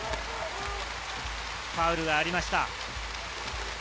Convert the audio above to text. ファウルがありました。